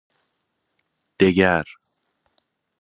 دگر